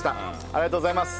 ありがとうございます。